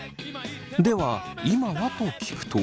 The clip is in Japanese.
では「今は？」と聞くと。